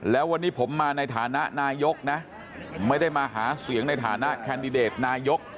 แล้ววันนี้ผมมาในฐานะนายกนะไม่ได้มาหาเสียงในฐานะแคนดิเดตนายก